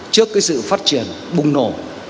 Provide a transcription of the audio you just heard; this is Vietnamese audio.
trước cái sự phát triển bùng nổ